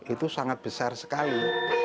itu sangat besar sekali